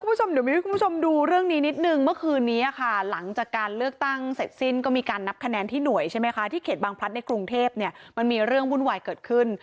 คุณผู้ชมเดี๋ยวมีให้คุณผู้ชมดูเรื่องนี้นิดนึงเมื่อคืนนี้ค่ะหลังจากการเลือกตั้งเสร็จสิ้นก็มีการนับคะแนนที่หน่วยใช่ไหมคะที่เขตบางพลัดในกรุงเทพเนี่ยมันมีเรื่องวุ่นวายเกิดขึ้น